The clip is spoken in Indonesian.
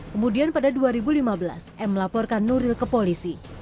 kemudian pada dua ribu lima belas m melaporkan nuril ke polisi